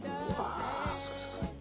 すごい、すごい。